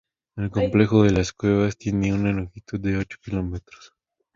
El complejo de cuevas tiene una longitud de ocho kilómetros.